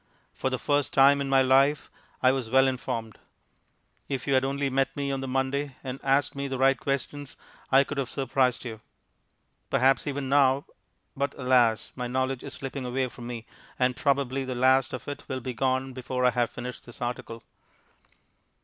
For the first time in my life I was well informed. If you had only met me on the Monday and asked me the right questions, I could have surprised you. Perhaps, even now... but alas! my knowledge is slipping away from me, and probably the last of it will be gone before I have finished this article.